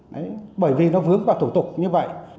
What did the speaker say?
đấy bởi vì nó vướng vào thủ tục như vậy